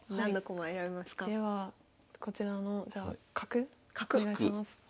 ではこちらのじゃあ角お願いします。